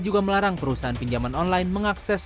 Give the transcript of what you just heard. ojk juga melarang perusahaan pinjaman online mengakses data pribadi